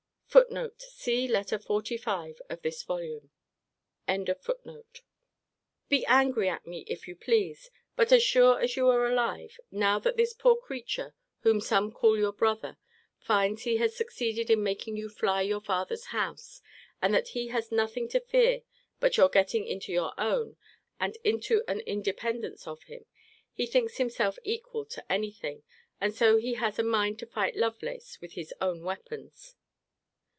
See Letter XLV. of this volume. Be angry at me, if you please; but as sure as you are alive, now that this poor creature, whom some call your brother, finds he has succeeded in making you fly your father's house, and that he has nothing to fear but your getting into your own, and into an independence of him, he thinks himself equal to any thing, and so he has a mind to fight Lovelace with his own weapons.